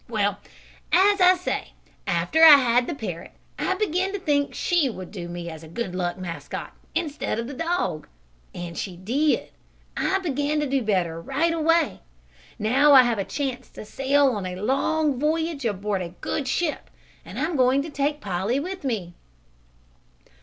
"Well, as I say, after I had the parrot I began to think she would do me as a good luck mascot, instead of the dog, and she did. I began to do better right away. Now I have a chance to sail on a long voyage aboard a good ship, and I'm going to take Polly with me."